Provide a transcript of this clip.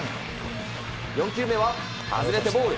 ４球目は外れてボール。